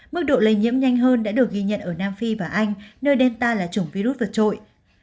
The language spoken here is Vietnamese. mức độ lây nhiễm nhanh hơn đã được ghi nhận ở nam phi và anh nơi delta là chủng virus vượt trội